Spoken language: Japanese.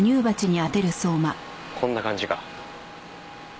こんな感じか？